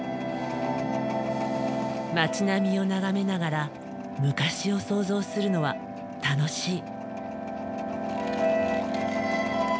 街並みを眺めながら昔を想像するのは楽しい。